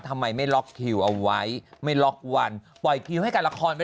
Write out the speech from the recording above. ทำไมไม่ล็อกคิวเอาไว้ไม่ล็อกวันปล่อยคิวให้การละครไป